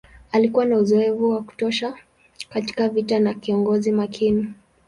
Alikuwa na uzoefu wa kutosha katika vita na kiongozi makini.